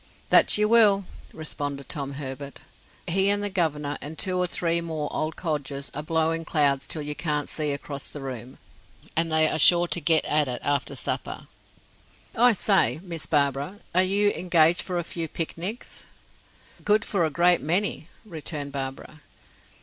"That you will," responded Tom Herbert. "He and the governor, and two or three more old codgers, are blowing clouds till you can't see across the room; and they are sure to get at it after supper. I say, Miss Barbara are you engaged for a few picnics?" "Good for a great many," returned Barbara.